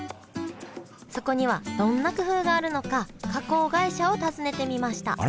そこにはどんな工夫があるのか加工会社を訪ねてみましたあれ！？